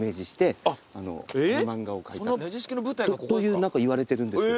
何かいわれてるんです。